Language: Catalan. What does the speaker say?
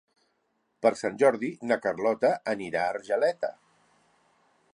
Per Sant Jordi na Carlota anirà a Argeleta.